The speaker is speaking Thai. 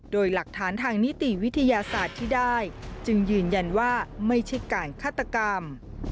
โดยหลักฐานทางนิติวิทยาศาสตร์ที่ได้จึงยืนยันว่าไม่ใช่การฆาตกรรม